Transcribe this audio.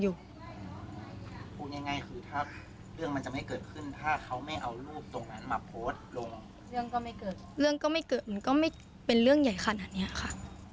เรื่องก็ไม่เกิดเรื่องก็ไม่เกิดมันก็ไม่เป็นเรื่องใหญ่ขนาดนี้ค่ะ